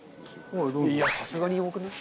いやさすがに多くない？